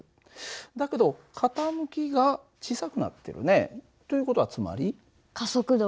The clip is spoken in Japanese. だけど傾きが小さくなってるよね。という事はつまり？